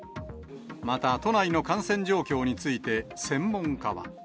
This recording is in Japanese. また、都内の感染状況について、専門家は。